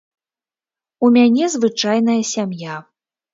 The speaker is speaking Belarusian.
У мяне звычайная сям'я.